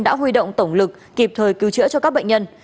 đã huy động tổng lực kịp thời cứu chữa cho các bệnh nhân